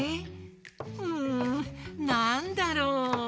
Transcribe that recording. うんなんだろう？